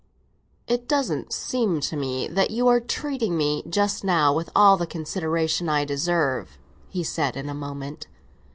"It doesn't seem to me that you are treating me just now with all the consideration I deserve," he said in a moment.